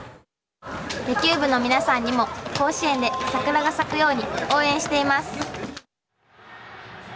野球部のみなさんにも甲子園で桜が咲くように応援しています！